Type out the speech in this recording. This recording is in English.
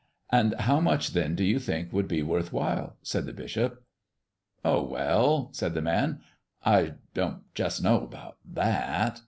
"And how much, then, do you think would be worth while?" said the bishop. "Oh, well," said the man, "I don't just know about that.